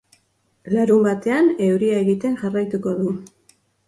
Larunbatean euria egiten jarraituko du.